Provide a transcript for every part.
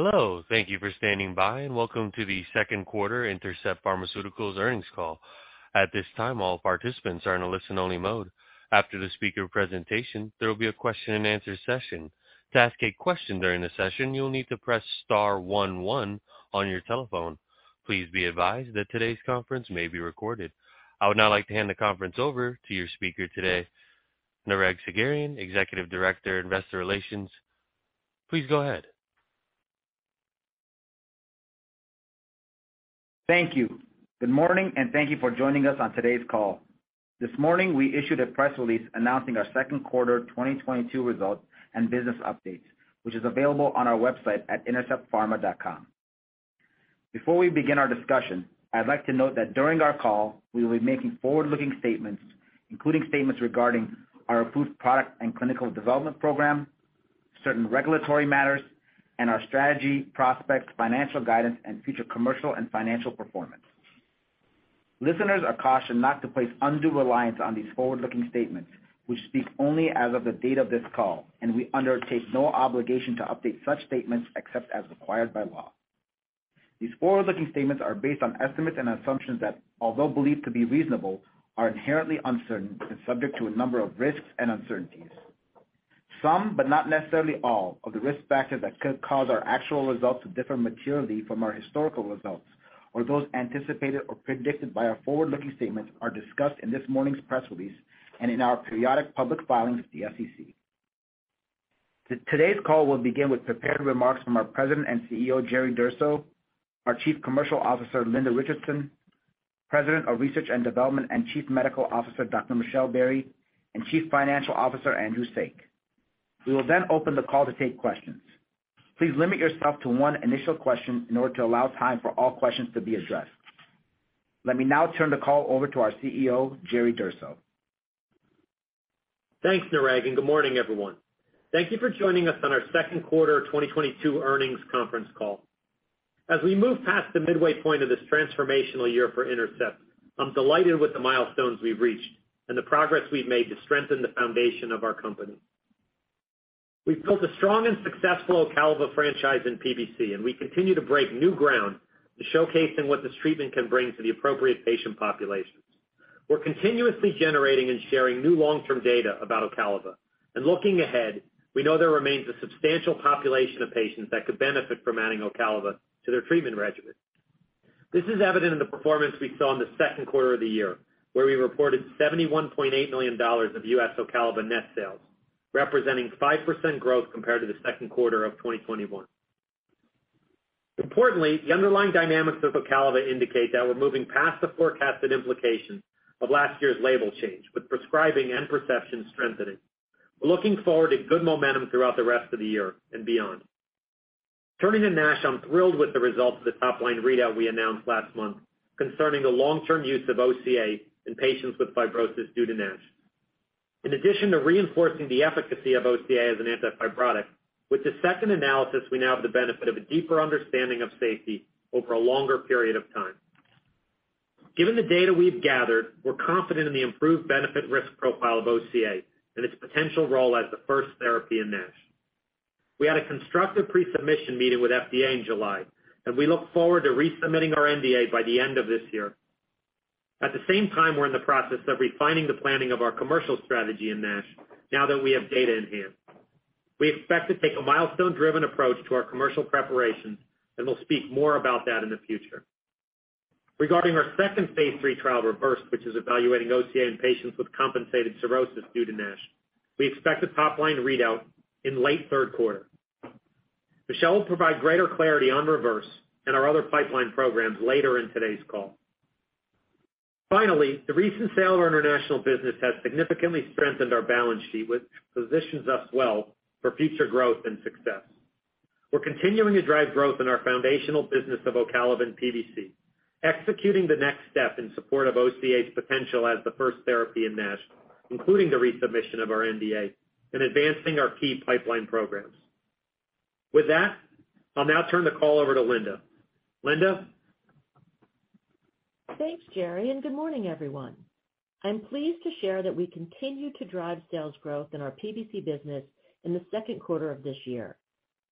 Hello, thank you for standing by, and welcome to the second quarter Intercept Pharmaceuticals earnings call. At this time, all participants are in a listen-only mode. After the speaker presentation, there will be a question-and-answer session. To ask a question during the session, you will need to press star one one on your telephone. Please be advised that today's conference may be recorded. I would now like to hand the conference over to your speaker today, Nareg Sagherian, Executive Director, Investor Relations. Please go ahead. Thank you. Good morning, and thank you for joining us on today's call. This morning, we issued a press release announcing our second quarter 2022 results and business updates, which is available on our website at interceptpharma.com. Before we begin our discussion, I'd like to note that during our call, we will be making forward-looking statements, including statements regarding our approved product and clinical development program, certain regulatory matters, and our strategy, prospects, financial guidance, and future commercial and financial performance. Listeners are cautioned not to place undue reliance on these forward-looking statements which speak only as of the date of this call, and we undertake no obligation to update such statements except as required by law. These forward-looking statements are based on estimates and assumptions that, although believed to be reasonable, are inherently uncertain and subject to a number of risks and uncertainties. Some, but not necessarily all, of the risk factors that could cause our actual results to differ materially from our historical results or those anticipated or predicted by our forward-looking statements are discussed in this morning's press release and in our periodic public filings with the SEC. Today's call will begin with prepared remarks from our President and CEO, Jerry Durso, our Chief Commercial Officer, Linda Richardson, President of Research and Development and Chief Medical Officer, Dr. Michelle Berrey, and Chief Financial Officer, Andrew Saik. We will then open the call to take questions. Please limit yourself to one initial question in order to allow time for all questions to be addressed. Let me now turn the call over to our CEO, Jerry Durso. Thanks, Nareg, and good morning, everyone. Thank you for joining us on our second quarter 2022 earnings conference call. As we move past the midway point of this transformational year for Intercept, I'm delighted with the milestones we've reached and the progress we've made to strengthen the foundation of our company. We've built a strong and successful Ocaliva franchise in PBC, and we continue to break new ground to showcase what this treatment can bring to the appropriate patient populations. We're continuously generating and sharing new long-term data about Ocaliva. Looking ahead, we know there remains a substantial population of patients that could benefit from adding Ocaliva to their treatment regimen. This is evident in the performance we saw in the second quarter of the year, where we reported $71.8 million of U.S. Ocaliva net sales, representing 5% growth compared to the second quarter of 2021. Importantly, the underlying dynamics of Ocaliva indicate that we're moving past the forecasted implications of last year's label change, with prescribing and perception strengthening. We're looking forward to good momentum throughout the rest of the year and beyond. Turning to NASH, I'm thrilled with the results of the top-line readout we announced last month concerning the long-term use of OCA in patients with fibrosis due to NASH. In addition to reinforcing the efficacy of OCA as an antifibrotic, with the second analysis, we now have the benefit of a deeper understanding of safety over a longer period of time. Given the data we've gathered, we're confident in the improvedbenefit-risk profile of OCA and its potential role as the first therapy in NASH. We had a constructive pre-submission meeting with FDA in July, and we look forward to resubmitting our NDA by the end of this year. At the same time, we're in the process of refining the planning of our commercial strategy in NASH now that we have data in hand. We expect to take a milestone-driven approach to our commercial preparations, and we'll speak more about that in the future. Regarding our second phase 3 trial, REVERSE, which is evaluating OCA in patients with compensated cirrhosis due to NASH, we expect a top-line readout in late third quarter. Michelle will provide greater clarity on REVERSE and our other pipeline programs later in today's call. Finally, the recent sale of our international business has significantly strengthened our balance sheet, which positions us well for future growth and success. We're continuing to drive growth in our foundational business of Ocaliva in PBC, executing the next step in support of OCA's potential as the first therapy in NASH, including the resubmission of our NDA and advancing our key pipeline programs. With that, I'll now turn the call over to Linda. Linda? Thanks, Jerry, and good morning, everyone. I'm pleased to share that we continue to drive sales growth in our PBC business in the second quarter of this year.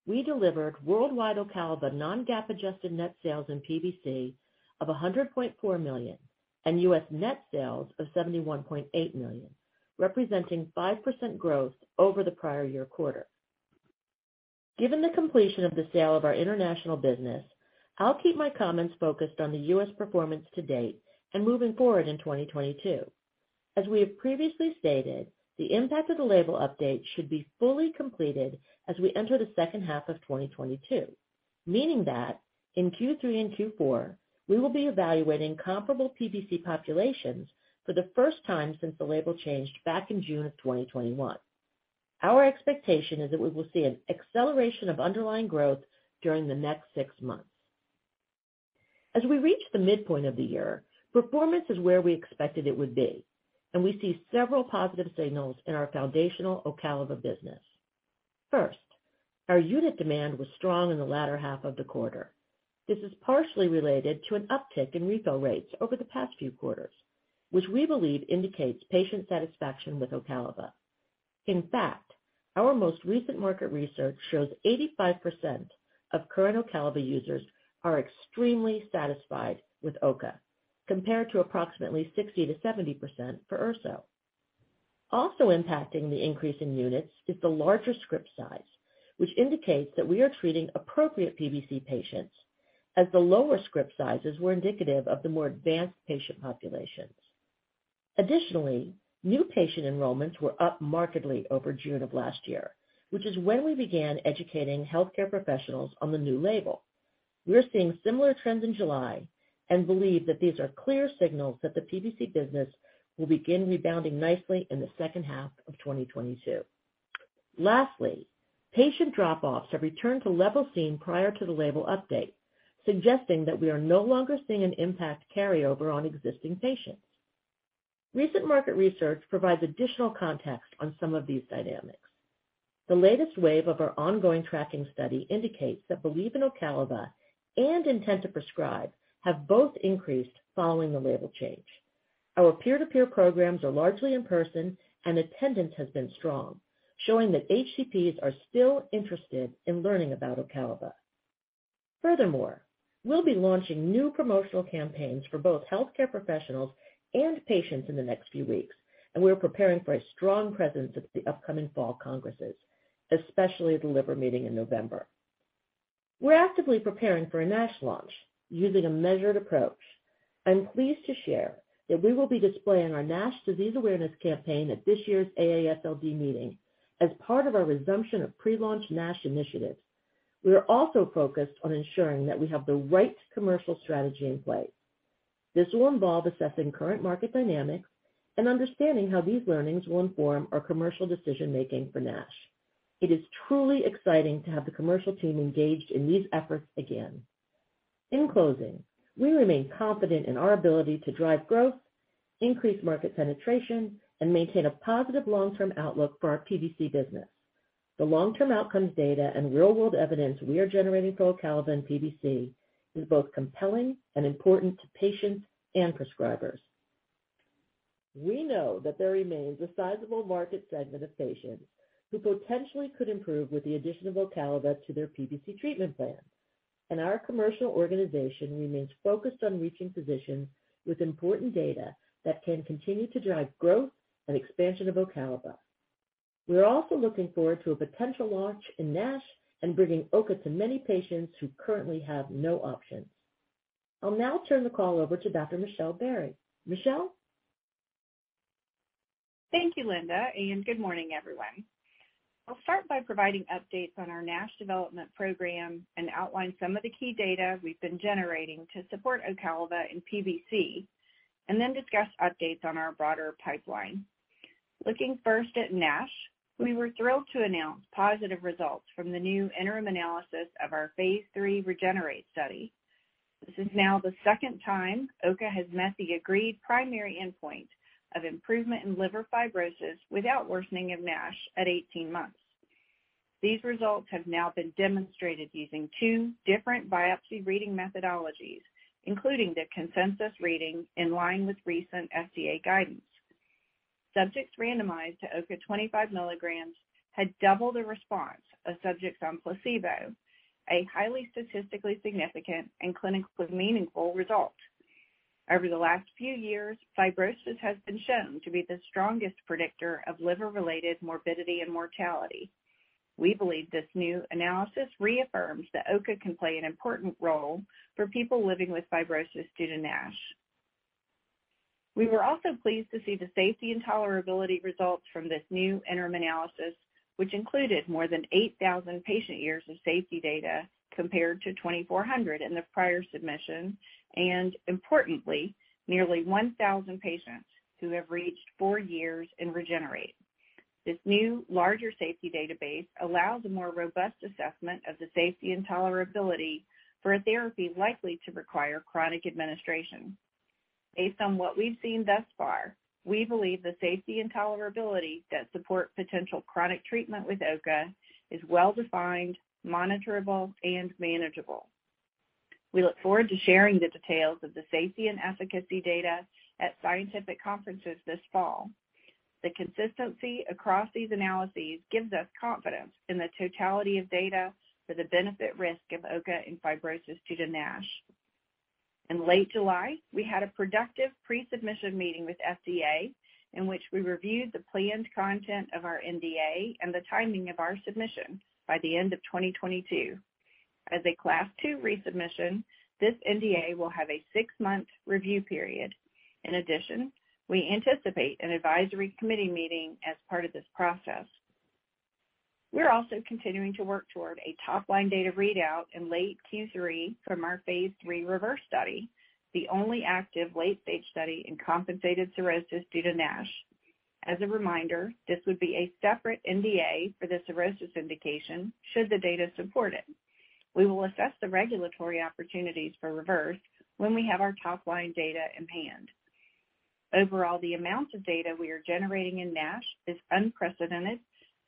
We delivered worldwide Ocaliva non-GAAP adjusted net sales in PBC of $100.4 million and U.S. net sales of $71.8 million, representing 5% growth over the prior year quarter. Given the completion of the sale of our international business, I'll keep my comments focused on the U.S. performance to date and moving forward in 2022. As we have previously stated, the impact of the label update should be fully completed as we enter the second half of 2022. Meaning that in Q3 and Q4, we will be evaluating comparable PBC populations for the first time since the label changed back in June of 2021. Our expectation is that we will see an acceleration of underlying growth during the next six months. As we reach the midpoint of the year, performance is where we expected it would be, and we see several positive signals in our foundational Ocaliva business. First, our unit demand was strong in the latter half of the quarter. This is partially related to an uptick in refill rates over the past few quarters, which we believe indicates patient satisfaction with Ocaliva. In fact, our most recent market research shows 85% of current Ocaliva users are extremely satisfied with OCA, compared to approximately 60%–70% for Urso. Also impacting the increase in units is the larger script size, which indicates that we are treating appropriate PBC patients as the lower script sizes were indicative of the more advanced patient populations. Additionally, new patient enrollments were up markedly over June of last year, which is when we began educating healthcare professionals on the new label. We are seeing similar trends in July and believe that these are clear signals that the PBC business will begin rebounding nicely in the second half of 2022. Lastly, patient drop-offs have returned to levels seen prior to the label update, suggesting that we are no longer seeing an impact carryover on existing patients. Recent market research provides additional context on some of these dynamics. The latest wave of our ongoing tracking study indicates that belief in Ocaliva and intent to prescribe have both increased following the label change. Our peer-to-peer programs are largely in person, and attendance has been strong, showing that HCPs are still interested in learning about Ocaliva. Furthermore, we'll be launching new promotional campaigns for both healthcare professionals and patients in the next few weeks, and we are preparing for a strong presence at the upcoming fall congresses, especially at the Liver Meeting in November. We're actively preparing for a NASH launch using a measured approach. I'm pleased to share that we will be displaying our NASH disease awareness campaign at this year's AASLD meeting as part of our resumption of pre-launch NASH initiatives. We are also focused on ensuring that we have the right commercial strategy in place. This will involve assessing current market dynamics and understanding how these learnings will inform our commercial decision-making for NASH. It is truly exciting to have the commercial team engaged in these efforts again. In closing, we remain confident in our ability to drive growth, increase market penetration, and maintain a positive long-term outlook for our PBC business. The long-term outcomes data and real-world evidence we are generating for Ocaliva in PBC is both compelling and important to patients and prescribers. We know that there remains a sizable market segment of patients who potentially could improve with the addition of Ocaliva to their PBC treatment plan, and our commercial organization remains focused on reaching physicians with important data that can continue to drive growth and expansion of Ocaliva. We are also looking forward to a potential launch in NASH and bringing OCA to many patients who currently have no options. I'll now turn the call over to Dr. Michelle Berrey. Michelle? Thank you, Linda, and good morning, everyone. I'll start by providing updates on our NASH development program and outline some of the key data we've been generating to support Ocaliva in PBC, and then discuss updates on our broader pipeline. Looking first at NASH, we were thrilled to announce positive results from the new interim analysis of our phase 3 REGENERATE study. This is now the second time OCA has met the agreed primary endpoint of improvement in liver fibrosis without worsening of NASH at 18 months. These results have now been demonstrated using two different biopsy reading methodologies, including the consensus reading in line with recent FDA guidance. Subjects randomized to OCA 25 milligrams had double the response of subjects on placebo, a highly statistically significant and clinically meaningful result. Over the last few years, fibrosis has been shown to be the strongest predictor of liver-related morbidity and mortality. We believe this new analysis reaffirms that OCA can play an important role for people living with fibrosis due to NASH. We were also pleased to see the safety and tolerability results from this new interim analysis, which included more than 8,000 patient years of safety data compared to 2,400 in the prior submission, and importantly, nearly 1,000 patients who have reached four years in REGENERATE. This new larger safety database allows a more robust assessment of the safety and tolerability for a therapy likely to require chronic administration. Based on what we've seen thus far, we believe the safety and tolerability that support potential chronic treatment with OCA is well defined, monitorable, and manageable. We look forward to sharing the details of the safety and efficacy data at scientific conferences this fall. The consistency across these analyses gives us confidence in the totality of data for the benefit-risk of OCA in fibrosis due to NASH. In late July, we had a productive pre-submission meeting with FDA, in which we reviewed the planned content of our NDA and the timing of our submission by the end of 2022. As a Class 2 resubmission, this NDA will have a six-month review period. In addition, we anticipate an advisory committee meeting as part of this process. We're also continuing to work toward a top-line data readout in late Q3 from our phase 3 REVERSE study, the only active late-stage study in compensated cirrhosis due to NASH. As a reminder, this would be a separate NDA for the cirrhosis indication should the data support it. We will assess the regulatory opportunities for REVERSE when we have our top-line data in hand. Overall, the amount of data we are generating in NASH is unprecedented,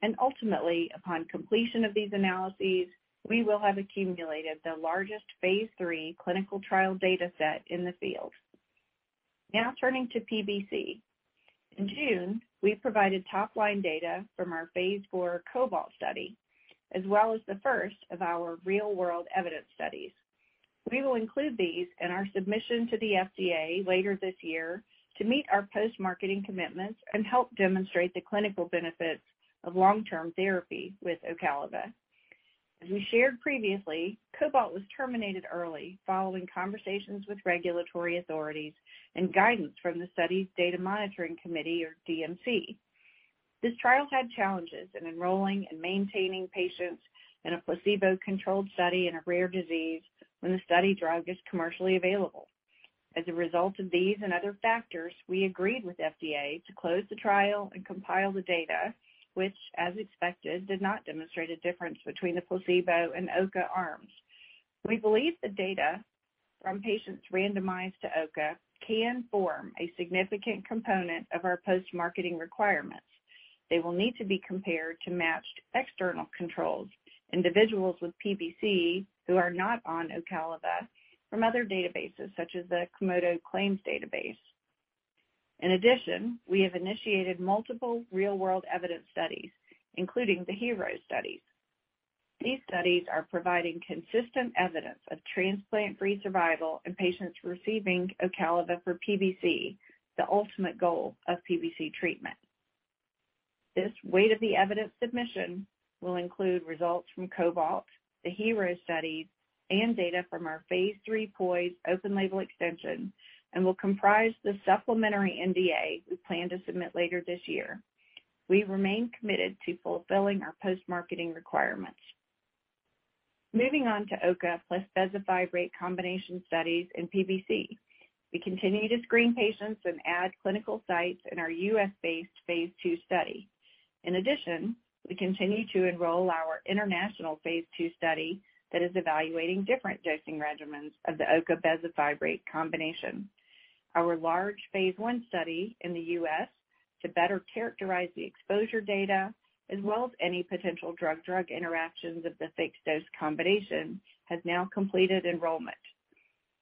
and ultimately, upon completion of these analyses, we will have accumulated the largest Phase 3 clinical trial data set in the field. Now turning to PBC. In June, we provided top-line data from our Phase 4 COBALT study, as well as the first of our real-world evidence studies. We will include these in our submission to the FDA later this year to meet our post-marketing commitments and help demonstrate the clinical benefits of long-term therapy with Ocaliva. As we shared previously, COBALT was terminated early following conversations with regulatory authorities and guidance from the study's Data Monitoring Committee or DMC. This trial had challenges in enrolling and maintaining patients in a placebo-controlled study in a rare disease when the study drug is commercially available. As a result of these and other factors, we agreed with FDA to close the trial and compile the data, which, as expected, did not demonstrate a difference between the placebo and OCA arms. We believe the data from patients randomized to OCA can form a significant component of our post-marketing requirements. They will need to be compared to matched external controls, individuals with PBC who are not on Ocaliva from other databases such as the Komodo Healthcare Map. In addition, we have initiated multiple real-world evidence studies, including the HEROES studies. These studies are providing consistent evidence of transplant-free survival in patients receiving Ocaliva for PBC, the ultimate goal of PBC treatment. This weight of the evidence submission will include results from COBALT, the HEROES studies, and data from our phase III POISE open-label extension and will comprise the supplementary NDA we plan to submit later this year. We remain committed to fulfilling our post-marketing requirements. Moving on to OCA plus bezafibrate combination studies in PBC. We continue to screen patients and add clinical sites in our U.S.-based phase II study. In addition, we continue to enroll our international phase II study that is evaluating different dosing regimens of the OCA bezafibrate combination. Our large phase I study in the U.S. to better characterize the exposure data as well as any potential drug–drug interactions of the fixed-dose combination has now completed enrollment.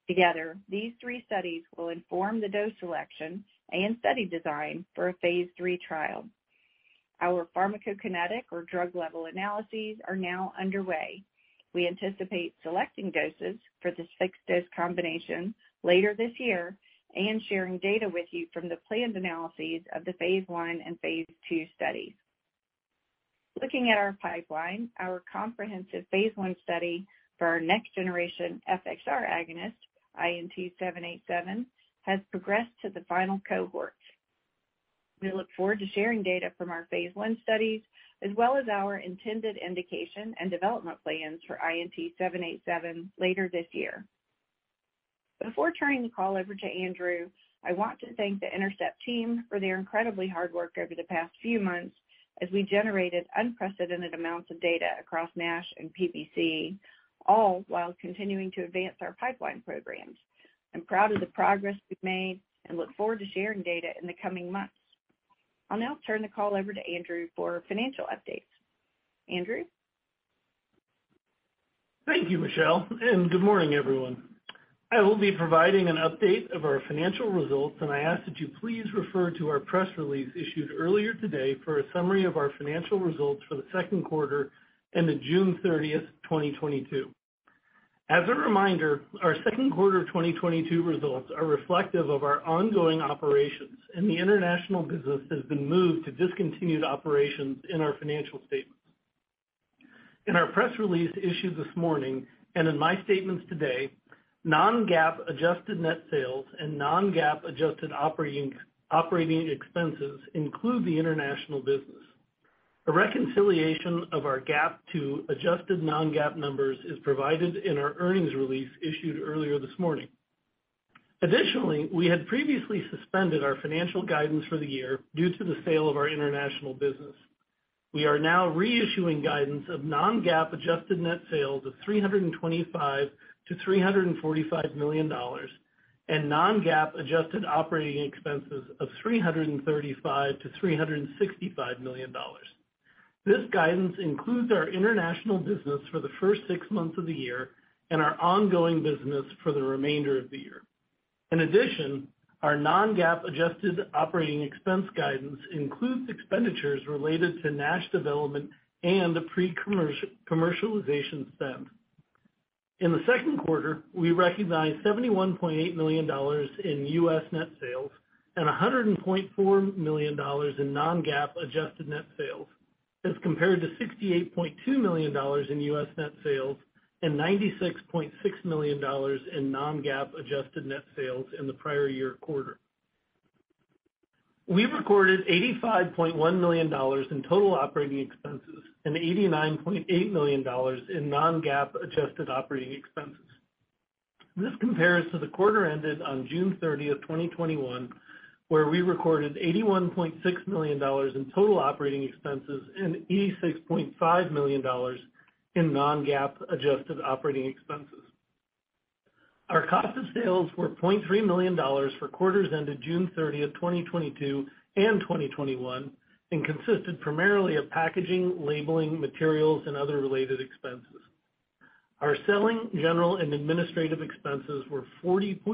Together, these three studies will inform the dose selection and study design for a phase III trial. Our pharmacokinetic or drug-level analyses are now underway. We anticipate selecting doses for this fixed-dose combination later this year and sharing data with you from the planned analyses of the phase I and phase II studies. Looking at our pipeline, our comprehensive phase I study for our next-generation FXR agonist, INT-787, has progressed to the final cohort. We look forward to sharing data from our phase I studies as well as our intended indication and development plans for INT-787 later this year. Before turning the call over to Andrew, I want to thank the Intercept team for their incredibly hard work over the past few months as we generated unprecedented amounts of data across NASH and PBC, all while continuing to advance our pipeline programs. I'm proud of the progress we've made and look forward to sharing data in the coming months. I'll now turn the call over to Andrew for financial updates. Andrew? Thank you, Michelle, and good morning, everyone. I will be providing an update of our financial results, and I ask that you please refer to our press release issued earlier today for a summary of our financial results for the second quarter and the June 30, 2022. As a reminder, our second quarter 2022 results are reflective of our ongoing operations, and the international business has been moved to discontinued operations in our financial statements. In our press release issued this morning, and in my statements today, non-GAAP adjusted net sales and non-GAAP adjusted operating expenses include the international business. A reconciliation of our GAAP to adjusted non-GAAP numbers is provided in our earnings release issued earlier this morning. Additionally, we had previously suspended our financial guidance for the year due to the sale of our international business. We are now reissuing guidance of non-GAAP adjusted net sales of $325 million–$345 million and non-GAAP adjusted operating expenses of $335 million–$365 million. This guidance includes our international business for the first six months of the year and our ongoing business for the remainder of the year. In addition, our non-GAAP adjusted operating expense guidance includes expenditures related to NASH development and the pre-commercialization spend. In the second quarter, we recognized $71.8 million in U.S. net sales and $104 million in non-GAAP adjusted net sales, as compared to $68.2 million in U.S. net sales and $96.6 million in non-GAAP adjusted net sales in the prior year quarter. We recorded $85.1 million in total operating expenses and $89.8 million in non-GAAP adjusted operating expenses. This compares to the quarter ended on June 30th, 2021, where we recorded $81.6 million in total operating expenses and $86.5 million in non-GAAP adjusted operating expenses. Our cost of sales were $0.3 million for quarters ended June 30, 2022 and 2021, and consisted primarily of packaging, labeling, materials, and other related expenses. Our selling, general and administrative expenses were $40.0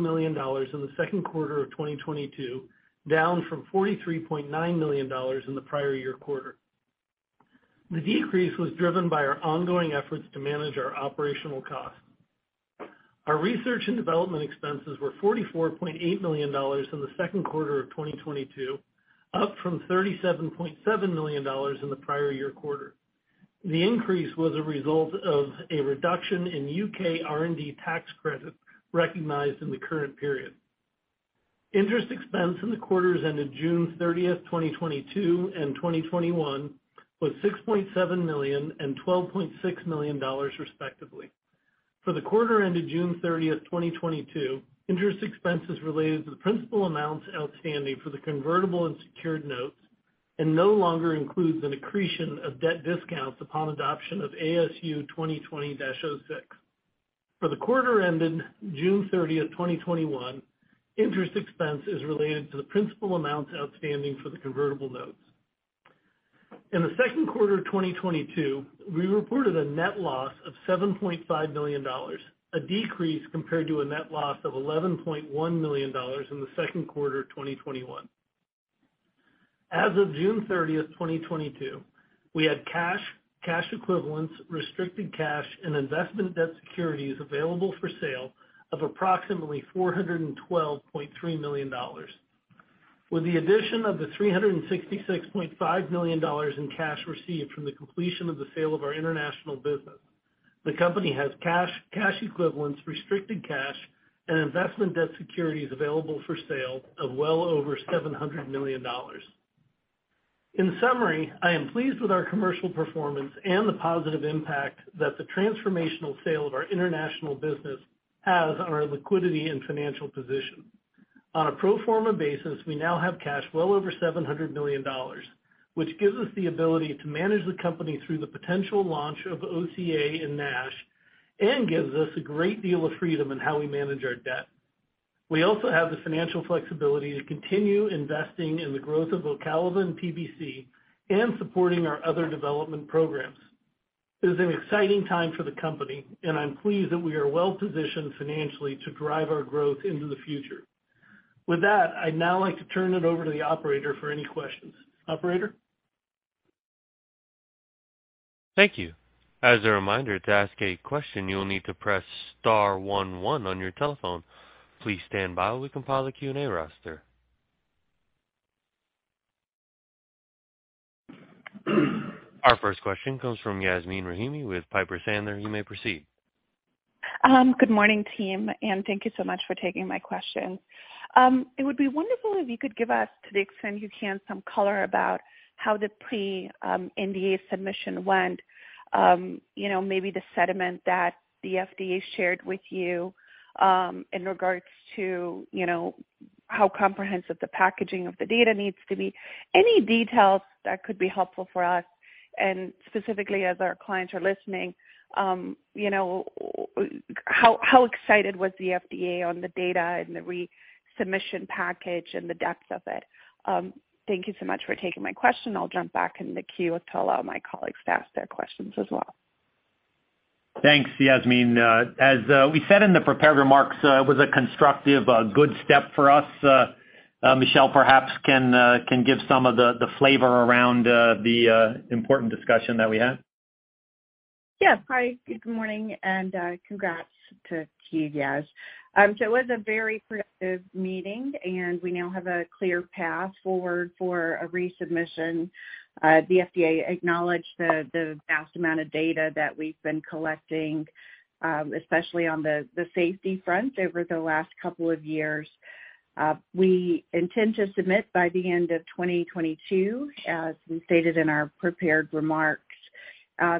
million in the second quarter of 2022, down from $43.9 million in the prior year quarter. The decrease was driven by our ongoing efforts to manage our operational costs. Our research and development expenses were $44.8 million in the second quarter of 2022, up from $37.7 million in the prior year quarter. The increase was a result of a reduction in U.K. R&D tax credits recognized in the current period. Interest expense in the quarters ended June 30, 2022 and 2021 was $6.7 million and $12.6 million, respectively. For the quarter ended June 30, 2022, interest expense is related to the principal amounts outstanding for the convertible and secured notes and no longer includes an accretion of debt discounts upon adoption of ASU 2020-06. For the quarter ended June 30th, 2021, interest expense is related to the principal amounts outstanding for the convertible notes. In the second quarter of 2022, we reported a net loss of $7.5 million, a decrease compared to a net loss of $11.1 million in the second quarter of 2021. As of June 30, 2022, we had cash equivalents, restricted cash and investment debt securities available for sale of approximately $412.3 million. With the addition of the $366.5 million in cash received from the completion of the sale of our international business, the company has cash equivalents, restricted cash and investment debt securities available for sale of well over $700 million. In summary, I am pleased with our commercial performance and the positive impact that the transformational sale of our international business has on our liquidity and financial position. On a pro forma basis, we now have cash well over $700 million, which gives us the ability to manage the company through the potential launch of OCA in NASH and gives us a great deal of freedom in how we manage our debt. We also have the financial flexibility to continue investing in the growth of Ocaliva and PBC and supporting our other development programs. This is an exciting time for the company, and I'm pleased that we are well positioned financially to drive our growth into the future. With that, I'd now like to turn it over to the operator for any questions. Operator? Thank you. As a reminder, to ask a question, you will need to press star one one on your telephone. Please stand by while we compile a Q&A roster. Our first question comes from Yasmeen Rahimi with Piper Sandler. You may proceed. Good morning, team, and thank you so much for taking my question. It would be wonderful if you could give us, to the extent you can, some color about how the NDA submission went. You know, maybe the sentiment that the FDA shared with you, in regards to, you know, how comprehensive the packaging of the data needs to be. Any details that could be helpful for us and specifically as our clients are listening, you know, how excited was the FDA on the data and the resubmission package and the depth of it? Thank you so much for taking my question. I'll jump back in the queue to allow my colleagues to ask their questions as well. Thanks, Yasmeen. As we said in the prepared remarks, it was a constructive, good step for us. Michelle Berrey perhaps can give some of the flavor around the important discussion that we had. Yes. Hi, good morning, and congrats to you guys. It was a very productive meeting, and we now have a clear path forward for a resubmission. The FDA acknowledged the vast amount of data that we've been collecting, especially on the safety front over the last couple of years. We intend to submit by the end of 2022, as we stated in our prepared remarks.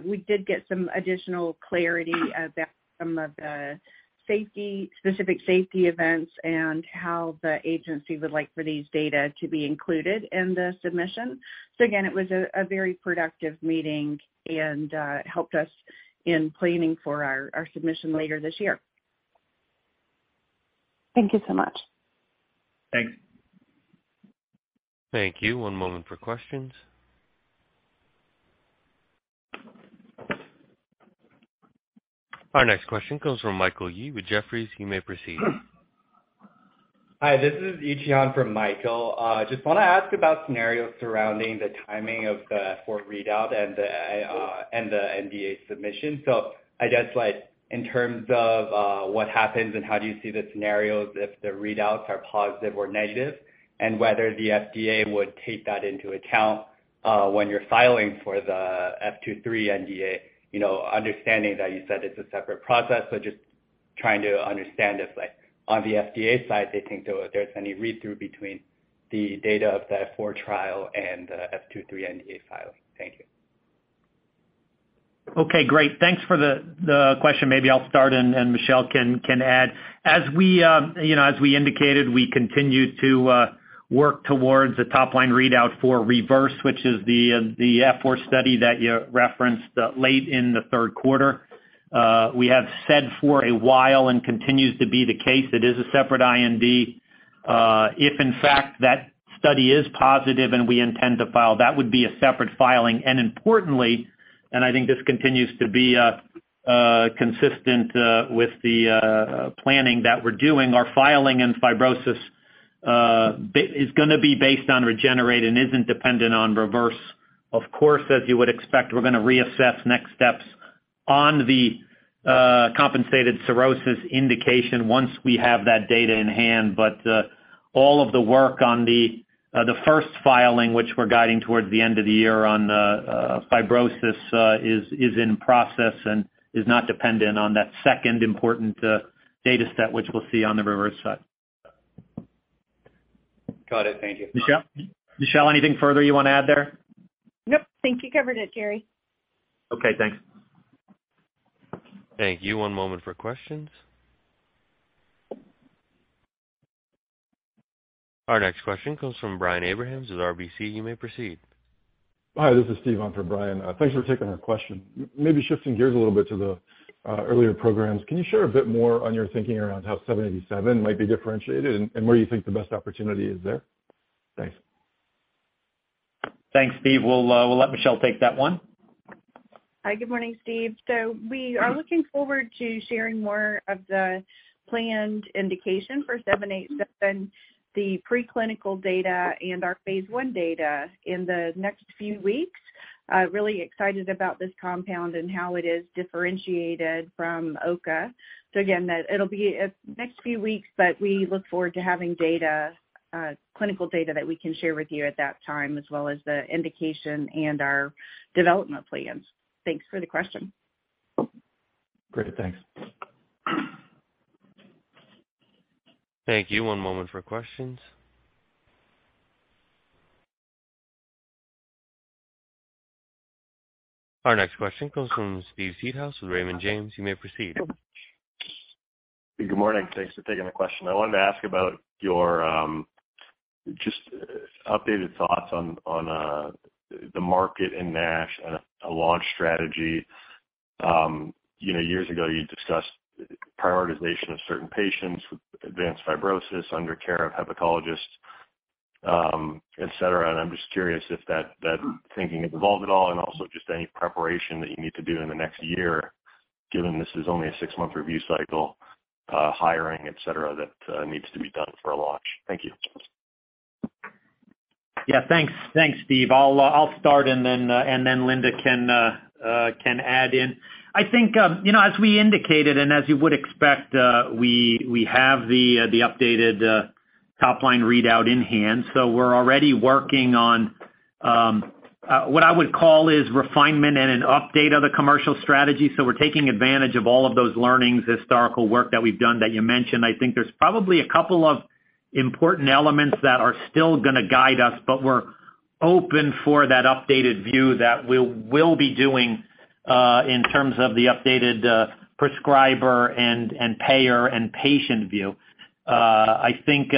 We did get some additional clarity about some of the safety-specific safety events and how the agency would like for these data to be included in the submission. Again, it was a very productive meeting and helped us in planning for our submission later this year. Thank you so much. Thanks. Thank you. One moment for questions. Our next question comes from Michael Yee with Jefferies. You may proceed. Hi, this is Yichion for Michael. Just want to ask about scenarios surrounding the timing of the FORWARD readout and the NDA submission. I guess, like in terms of what happens and how do you see the scenarios if the readouts are positive or negative, and whether the FDA would take that into account when you're filing for the F2-F3 NDA. You know, understanding that you said it's a separate process, but just trying to understand if like on the FDA side, they think there's any read-through between the data of the FORWARD trial and F2-F3 NDA filing. Thank you. Okay, great. Thanks for the question. Maybe I'll start and Michelle can add. As we indicated, we continue to work towards a top-line readout for REVERSE, which is the F4 study that you referenced late in the third quarter. We have said for a while and continues to be the case, it is a separate IND. If in fact that study is positive and we intend to file, that would be a separate filing. Importantly, and I think this continues to be consistent with the planning that we're doing, our filing in fibrosis is going to be based on REGENERATE and isn't dependent on REVERSE. Of course, as you would expect, we're going to reassess next steps on the compensated cirrhosis indication once we have that data in hand. All of the work on the first filing, which we're guiding towards the end of the year on the fibrosis, is in process and is not dependent on that second important data set, which we'll see on the REVERSE side. Got it. Thank you. Michelle? Michelle, anything further you want to add there? Nope, think you covered it, Jerry. Okay, thanks. Thank you. One moment for questions. Our next question comes from Brian Abrahams with RBC. You may proceed. Hi, this is Steve on for Brian. Thanks for taking our question. Maybe shifting gears a little bit to the earlier programs, can you share a bit more on your thinking around how INT-787 might be differentiated and where you think the best opportunity is there? Thanks. Thanks, Steve. We'll let Michelle take that one. Hi, good morning, Steve. We are looking forward to sharing more of the planned indication for 787, the preclinical data and our phase I data in the next few weeks. Really excited about this compound and how it is differentiated from OCA. Again, that it'll be, next few weeks, but we look forward to having data, clinical data that we can share with you at that time, as well as the indication and our development plans. Thanks for the question. Great. Thanks. Thank you. One moment for questions. Our next question comes from Steven Seedhouse with Raymond James. You may proceed. Good morning. Thanks for taking the question. I wanted to ask about your just updated thoughts on the market in NASH and a launch strategy. You know, years ago, you'd discussed prioritization of certain patients with advanced fibrosis under care of hepatologists, et cetera. I'm just curious if that thinking has evolved at all, and also just any preparation that you need to do in the next year, given this is only a six-month review cycle, hiring, et cetera, that needs to be done for a launch. Thank you. Yeah, thanks. Thanks, Steve. I'll start and then Linda can add in. I think, you know, as we indicated, and as you would expect, we have the updated top-line readout in hand. We're already working on what I would call is refinement and an update of the commercial strategy. We're taking advantage of all of those learnings, historical work that we've done that you mentioned. I think there's probably a couple of important elements that are still going to guide us, but we're open for that updated view that we'll be doing in terms of the updated prescriber and payer and patient view. I think,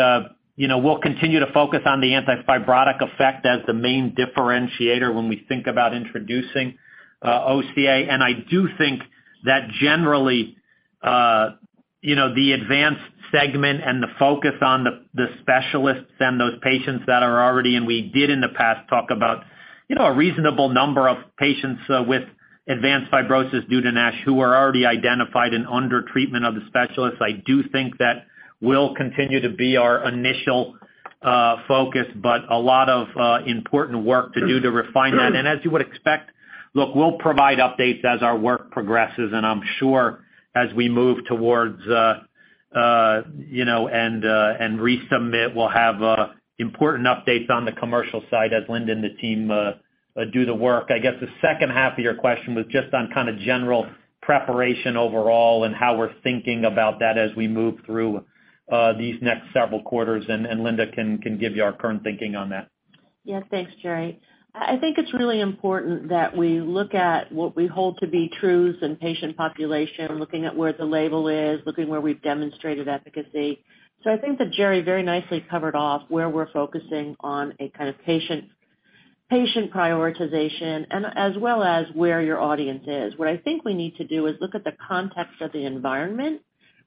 you know, we'll continue to focus on the antifibrotic effect as the main differentiator when we think about introducing OCA. I do think that generally, you know, the advanced segment and the focus on the specialists and those patients that are already, and we did in the past talk about, you know, a reasonable number of patients with advanced fibrosis due to NASH who were already identified and under treatment of the specialists. I do think that will continue to be our initial focus, but a lot of important work to do to refine that. As you would expect, look, we'll provide updates as our work progresses, and I'm sure as we move towards, you know, and resubmit, we'll have important updates on the commercial side as Linda and the team do the work. I guess the second half of your question was just on kind of general preparation overall and how we're thinking about that as we move through, these next several quarters, and Linda can give you our current thinking on that. Yeah. Thanks, Jerry. I think it's really important that we look at what we hold to be truths in patient population, looking at where the label is, looking where we've demonstrated efficacy. I think that Jerry very nicely covered off where we're focusing on a kind of patient prioritization and as well as where your audience is. What I think we need to do is look at the context of the environment.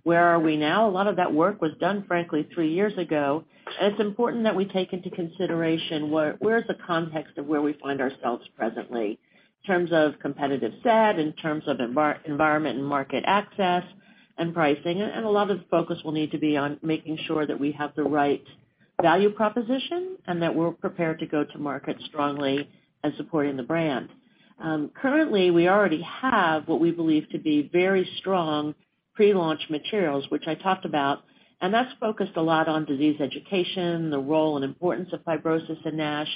Where are we now? A lot of that work was done, frankly, three years ago. It's important that we take into consideration where's the context of where we find ourselves presently in terms of competitive set, in terms of environment and market access and pricing. A lot of the focus will need to be on making sure that we have the right value proposition and that we're prepared to go to market strongly in supporting the brand. Currently, we already have what we believe to be very strong pre-launch materials, which I talked about, and that's focused a lot on disease education, the role and importance of fibrosis in NASH.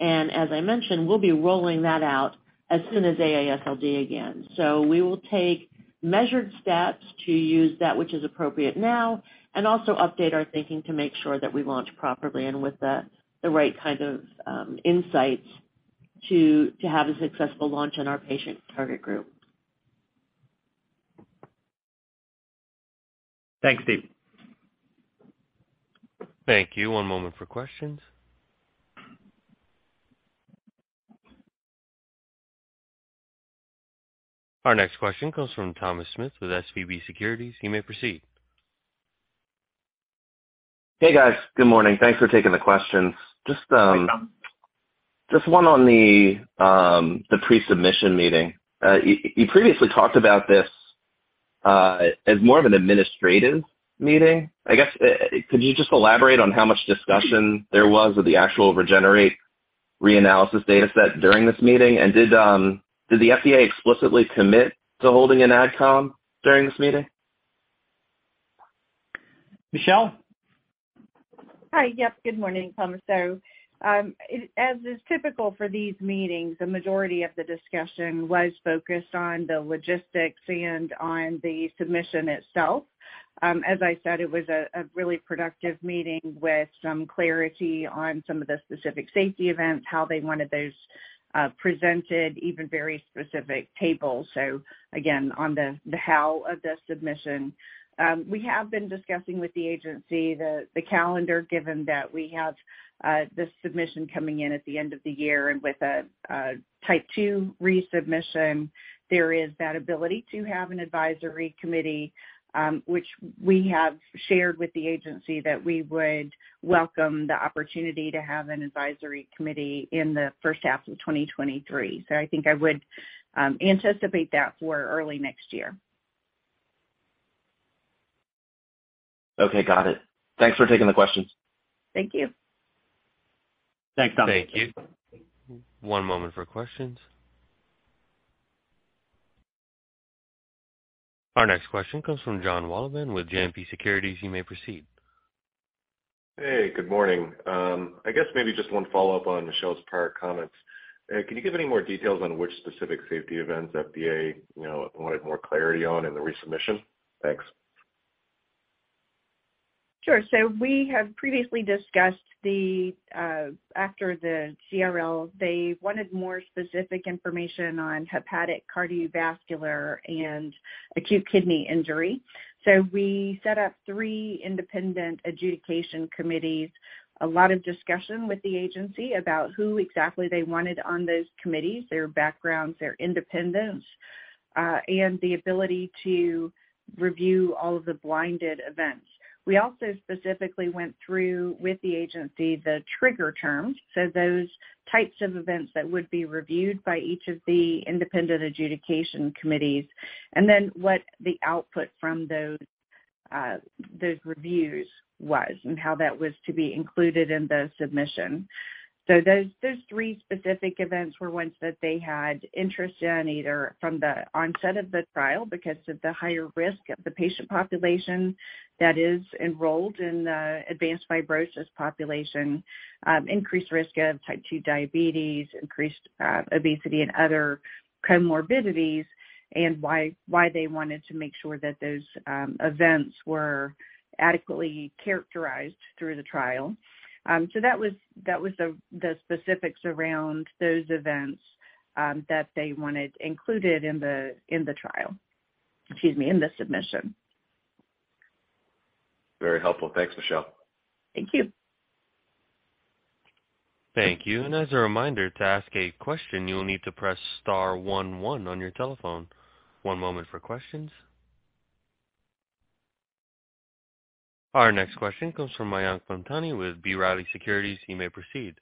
As I mentioned, we'll be rolling that out as soon as AASLD again. We will take measured steps to use that which is appropriate now and also update our thinking to make sure that we launch properly and with the right kind of insights to have a successful launch in our patient target group. Thanks, Steve. Thank you. One moment for questions. Our next question comes from Thomas Smith with SVB Securities. You may proceed. Hey, guys. Good morning. Thanks for taking the questions. Thanks, Tom. Just one on the pre-submission meeting. You previously talked about this as more of an administrative meeting. I guess could you just elaborate on how much discussion there was with the actual REGENERATE reanalysis data set during this meeting? Did the FDA explicitly commit to holding an AdCom during this meeting? Michelle? Hi. Yep, good morning, Thomas. As is typical for these meetings, the majority of the discussion was focused on the logistics and on the submission itself. As I said, it was a really productive meeting with some clarity on some of the specific safety events, how they wanted those presented, even very specific tables. Again, on the how of the submission. We have been discussing with the agency the calendar, given that we have this submission coming in at the end of the year. With a Class 2 resubmission, there is that ability to have an advisory committee, which we have shared with the agency that we would welcome the opportunity to have an advisory committee in the first half of 2023. I think I would anticipate that for early next year. Okay, got it. Thanks for taking the questions. Thank you. Thanks, Tom. Thank you. One moment for questions. Our next question comes from Jon Wolleben with JMP Securities. You may proceed. Hey, good morning. I guess maybe just one follow-up on Michelle's prior comments. Can you give any more details on which specific safety events FDA, you know, wanted more clarity on in the resubmission? Thanks. Sure. We have previously discussed after the CRL, they wanted more specific information on hepatic, cardiovascular, and acute kidney injury. We set up three independent adjudication committees, a lot of discussion with the agency about who exactly they wanted on those committees, their backgrounds, their independence, and the ability to review all of the blinded events. We also specifically went through with the agency the trigger terms, so those types of events that would be reviewed by each of the independent adjudication committees, and then what the output from those reviews was and how that was to be included in the submission. Those three specific events were ones that they had interest in, either from the onset of the trial because of the higher risk of the patient population that is enrolled in the advanced fibrosis population, increased risk of type 2 diabetes, increased obesity and other comorbidities, and why they wanted to make sure that those events were adequately characterized through the trial. That was the specifics around those events that they wanted included in the trial. Excuse me, in the submission. Very helpful. Thanks, Michelle. Thank you. Thank you. As a reminder, to ask a question, you will need to press star one one on your telephone. One moment for questions. Our next question comes from Mayank Mamtani with B. Riley Securities. You may proceed.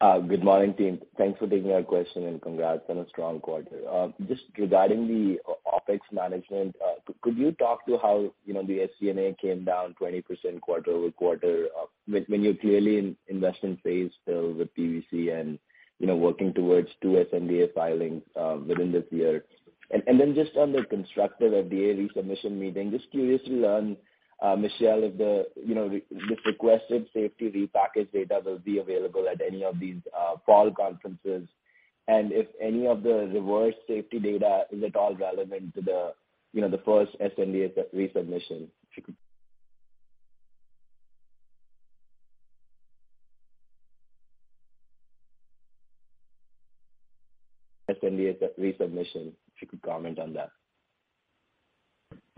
Good morning, team. Thanks for taking our question, and congrats on a strong quarter. Just regarding the OpEx management, could you talk to how, you know, the SG&A came down 20% quarter-over-quarter, when you're clearly in investment phase still with PBC and, you know, working towards two sNDA filings within this year? Just on the constructive FDA resubmission meeting, just curious to learn, Michelle, if the, you know, this requested safety re-packaged data will be available at any of these fall conferences and if any of the REVERSE safety data is at all relevant to the, you know, the first sNDA resubmission, if you could comment on that.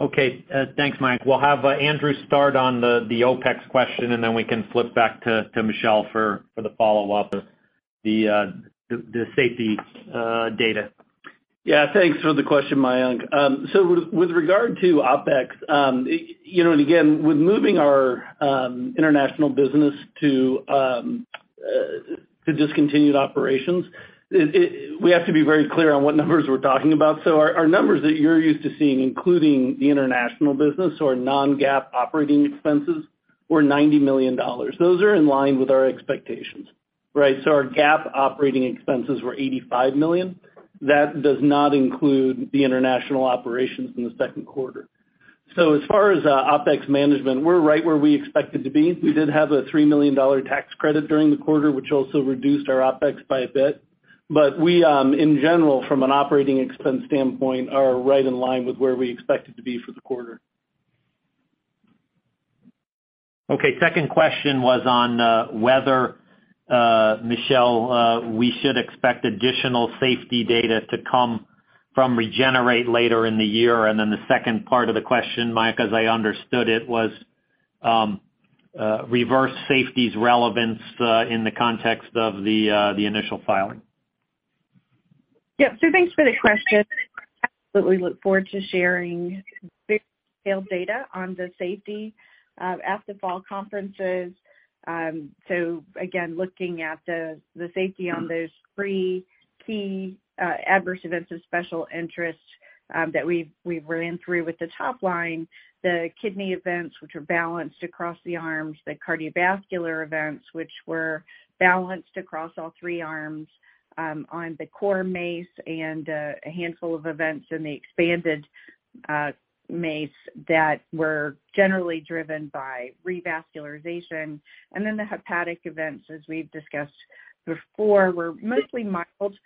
Okay. Thanks, Mayank. We'll have Andrew start on the OpEx question, and then we can flip back to Michelle for the follow-up of the safety data. Yeah. Thanks for the question, Mayank. With regard to OpEx, you know, and again, with moving our international business to discontinued operations, we have to be very clear on what numbers we're talking about. Our numbers that you're used to seeing, including the international business or non-GAAP operating expenses, were $90 million. Those are in line with our expectations, right? Our GAAP operating expenses were $85 million. That does not include the international operations in the second quarter. As far as OpEx management, we're right where we expected to be. We did have a $3 million tax credit during the quarter, which also reduced our OpEx by a bit. But we, in general, from an operating expense standpoint, are right in line with where we expected to be for the quarter. Okay. Second question was on whether, Michelle, we should expect additional safety data to come from REGENERATE later in the year. Then the second part of the question, Mayank, as I understood it, was REVERSE safety's relevance in the context of the initial filing. Yeah. Thanks for the question. Absolutely look forward to sharing detailed data on the safety at the fall conferences. Again, looking at the safety on those three key adverse events of special interest that we've ran through with the top-line, the kidney events, which were balanced across the arms, the cardiovascular events, which were balanced across all three arms, on the core MACE and a handful of events in the expanded MACE that were generally driven by revascularization. Then the hepatic events, as we've discussed before, were mostly mild,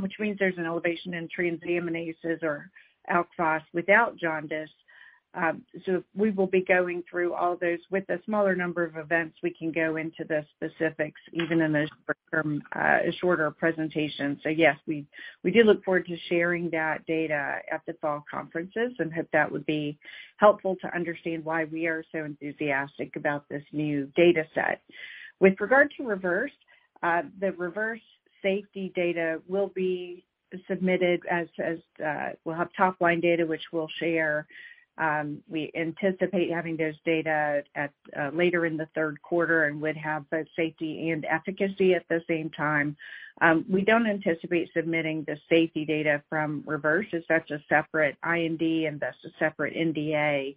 which means there's an elevation in transaminases or alkaline phosphatase without jaundice. We will be going through all those. With a smaller number of events, we can go into the specifics even in a shorter presentation. Yes, we do look forward to sharing that data at the fall conferences and hope that would be helpful to understand why we are so enthusiastic about this new data set. With regard to REVERSE, the REVERSE safety data will be submitted as we'll have top-line data, which we'll share. We anticipate having those data at later in the third quarter and would have both safety and efficacy at the same time. We don't anticipate submitting the safety data from REVERSE as that's a separate IND and that's a separate NDA.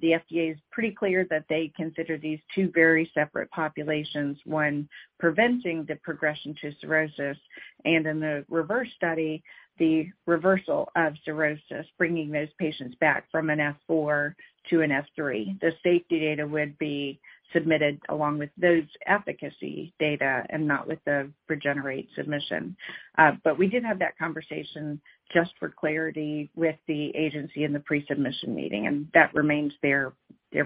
The FDA is pretty clear that they consider these two very separate populations, one, preventing the progression to cirrhosis, and in the REVERSE study, the reversal of cirrhosis, bringing those patients back from an F4 to an F3. The safety data would be submitted along with those efficacy data and not with the REGENERATE submission. We did have that conversation just for clarity with the agency in the pre-submission meeting, and that remains their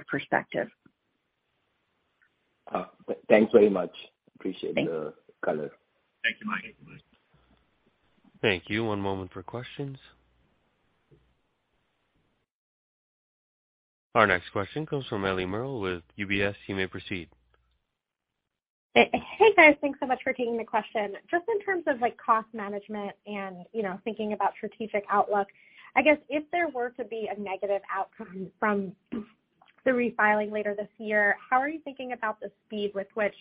perspective. Thanks very much. Appreciate the color. Thanks. Thank you, Mike. Thank you. One moment for questions. Our next question comes from Eliana Merle with UBS. You may proceed. Hey, guys. Thanks so much for taking the question. Just in terms of, like, cost management and, you know, thinking about strategic outlook, I guess if there were to be a negative outcome from the refiling later this year, how are you thinking about the speed with which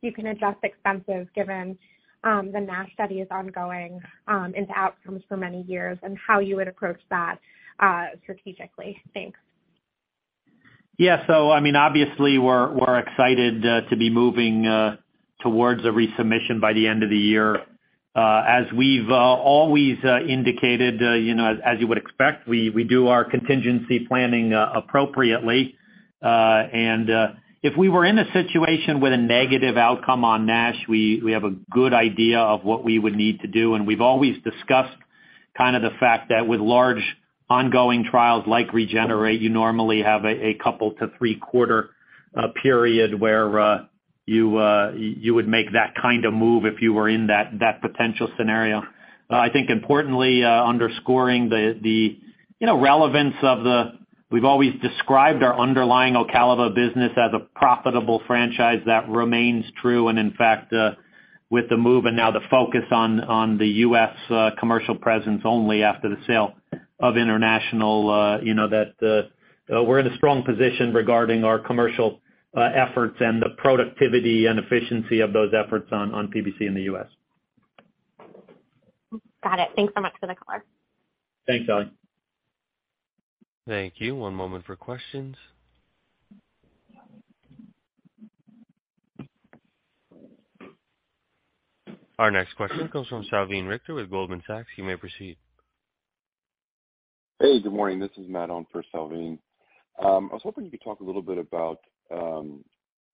you can adjust expenses given the NASH study is ongoing into outcomes for many years and how you would approach that strategically? Thanks. Yeah. I mean, obviously we're excited to be moving towards a resubmission by the end of the year. As we've always indicated, you know, as you would expect, we do our contingency planning appropriately. If we were in a situation with a negative outcome on NASH, we have a good idea of what we would need to do. We've always discussed kind of the fact that with large ongoing trials like REGENERATE, you normally have a 2- to 3-quarter period where you would make that kind of move if you were in that potential scenario. I think importantly, underscoring the you know relevance of the. We've always described our underlying Ocaliva business as a profitable franchise. That remains true. In fact, with the move and now the focus on the U.S. commercial presence only after the sale of international, you know, that we're in a strong position regarding our commercial efforts and the productivity and efficiency of those efforts on PBC in the U.S. Got it. Thanks so much for the color. Thanks, Eliana. Thank you. One moment for questions. Our next question comes from Salveen Richter with Goldman Sachs. You may proceed. Hey, good morning. This is Matt on for Salveen. I was hoping you could talk a little bit about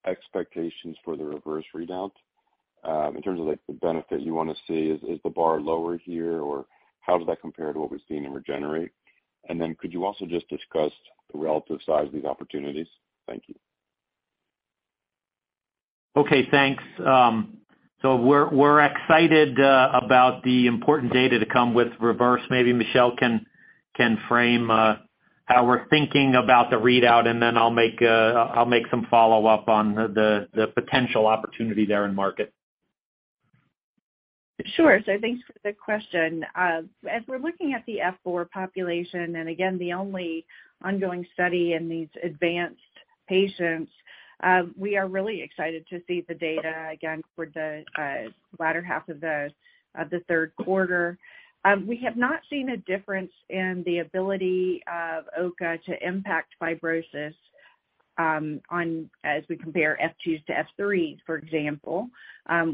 expectations for the REVERSE readout, in terms of, like, the benefit you want to see. Is the bar lower here, or how does that compare to what we're seeing in REGENERATE? Could you also just discuss the relative size of these opportunities? Thank you. Okay, thanks. We're excited about the important data to come with REVERSE. Maybe Michelle can frame how we're thinking about the readout, and then I'll make some follow-up on the potential opportunity there in market. Sure. Thanks for the question. As we're looking at the F4 population, and again, the only ongoing study in these advanced patients, we are really excited to see the data again for the latter half of the third quarter. We have not seen a difference in the ability of OCA to impact fibrosis, or as we compare F2s to F3s, for example.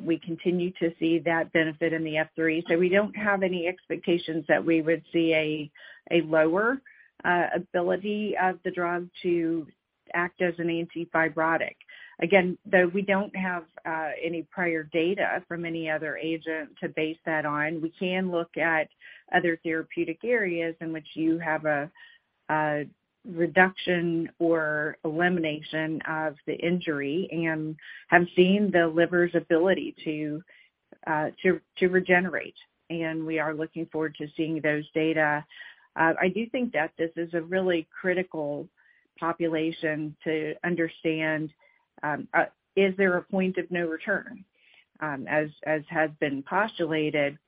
We continue to see that benefit in the F3. We don't have any expectations that we would see a lower ability of the drug to act as an antifibrotic. Again, though we don't have any prior data from any other agent to base that on, we can look at other therapeutic areas in which you have a reduction or elimination of the injury and have seen the liver's ability to regenerate, and we are looking forward to seeing those data. I do think that this is a really critical population to understand, is there a point of no return, as has been postulated.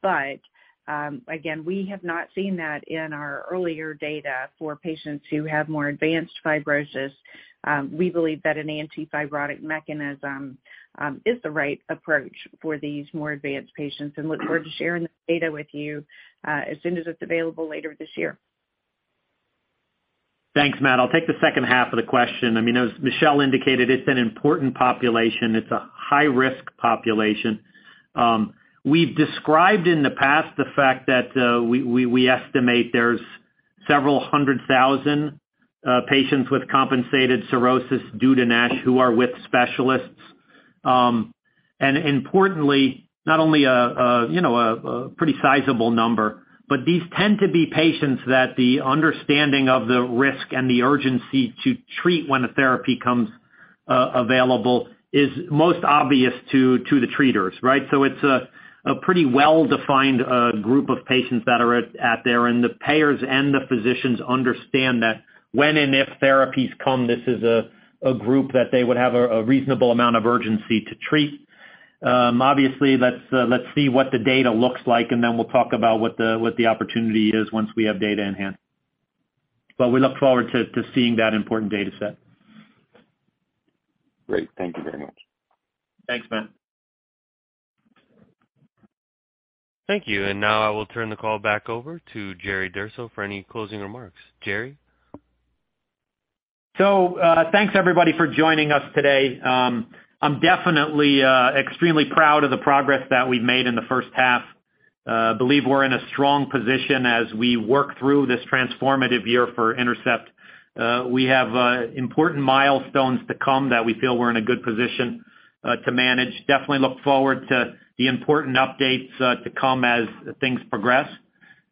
Again, we have not seen that in our earlier data for patients who have more advanced fibrosis. We believe that an antifibrotic mechanism is the right approach for these more advanced patients, and look forward to sharing this data with you, as soon as it's available later this year. Thanks, Matt. I'll take the second half of the question. I mean, as Michelle indicated, it's an important population. It's a high-risk population. We've described in the past the fact that we estimate there's several hundred thousand patients with compensated cirrhosis due to NASH who are with specialists. And importantly, not only a pretty sizable number, but these tend to be patients that the understanding of the risk and the urgency to treat when a therapy comes available is most obvious to the treaters, right? It's a pretty well-defined group of patients that are out there, and the payers and the physicians understand that when and if therapies come, this is a group that they would have a reasonable amount of urgency to treat. Obviously, let's see what the data looks like, and then we'll talk about what the opportunity is once we have data in hand. We look forward to seeing that important data set. Great. Thank you very much. Thanks, Matt. Thank you. Now I will turn the call back over to Jerry Durso for any closing remarks. Jerry? Thanks everybody for joining us today. I'm definitely extremely proud of the progress that we've made in the first half. Believe we're in a strong position as we work through this transformative year for Intercept. We have important milestones to come that we feel we're in a good position to manage. Definitely look forward to the important updates to come as things progress.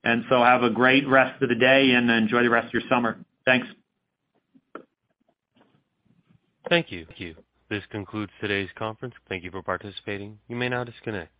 Have a great rest of the day, and enjoy the rest of your summer. Thanks. Thank you. This concludes today's conference. Thank you for participating. You may now disconnect.